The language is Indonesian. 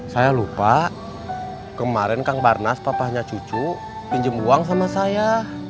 saya lupa kemarin kang parnas papanya cucu pinjam uang sama saya